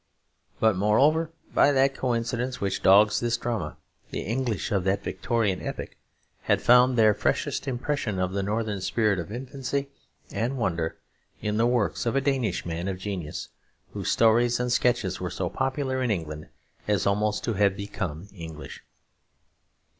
But, moreover, by that coincidence which dogs this drama, the English of that Victorian epoch had found their freshest impression of the northern spirit of infancy and wonder in the works of a Danish man of genius, whose stories and sketches were so popular in England as almost to have become English.